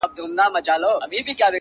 نور به نه کوم ګیلې له توره بخته.!